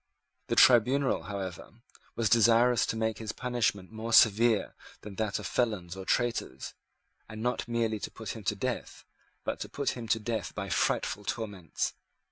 The tribunal, however, was desirous to make his punishment more severe than that of felons or traitors, and not merely to put him to death, but to put him to death by frightful torments.